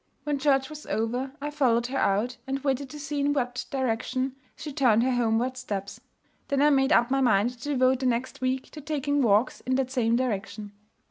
When church was over, I followed her out, and waited to see in what direction she turned her homeward steps. Then I made up my mind to devote the next week to taking walks in that same direction.